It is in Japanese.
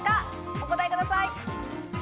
お答えください。